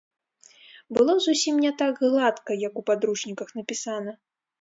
Было зусім не так гладка, як у падручніках напісана.